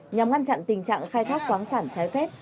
nhằm ngăn chặn tình trạng khai thác khoáng sản trái phép